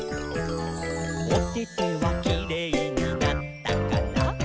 「おててはキレイになったかな？」